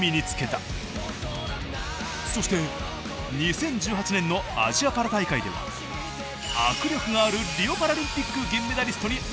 そして２０１８年のアジアパラ大会では握力があるリオパラリンピック銀メダリストに圧勝。